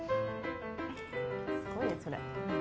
すごいねそれ。